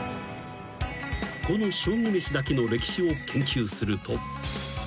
［この将棋めしだけの歴史を研究すると］